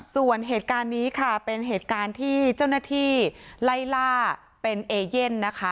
ส่วนเหตุการณ์นี้ค่ะเป็นเหตุการณ์ที่เจ้าหน้าที่ไล่ล่าเป็นเอเย่นนะคะ